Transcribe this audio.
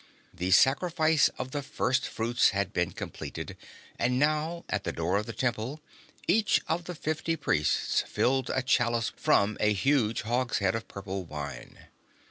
The sacrifice of the first fruits had been completed, and now, at the door of the Temple, each of the fifty priests filled a chalice from a huge hogshead of purple wine.